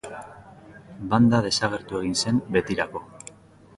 Banda desagertu egin zen betirako.